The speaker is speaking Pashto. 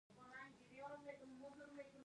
آیا پسته د ایران بل مهم صادراتي توکی نه دی؟